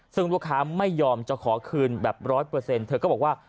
ซึ่งลูกค้าไม่ยอมจะขอคืนแบบ๑๐๐เธอก็บอกว่า